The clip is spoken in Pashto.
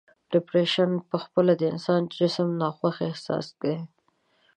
ډپریشن په خپله د انسان د جسم ناخوښ احساس دی.